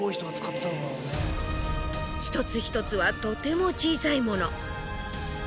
一つ一つはとても小さいもの。